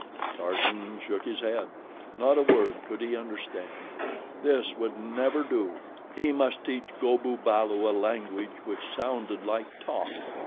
Tarzan shook his head. Not a word could he understand. This would never do! He must teach Go bu balu a language which sounded like talk.